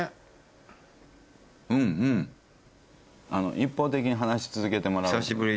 一方的に話続けてもらう。